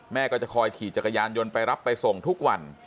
แม่ก็จะคอยขี่จักรยานยนต์ไปรับไปส่งทุกวัน